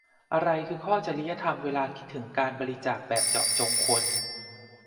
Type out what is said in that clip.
อะไรคือข้อจริยธรรมเวลาคิดถึงการบริจาคแบบเจาะจงคน